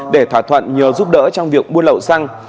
để thỏa thuận nhờ giúp đỡ trong việc buôn lậu xăng